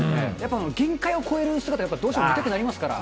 限界を超える姿が、どうしても見たくなりますから。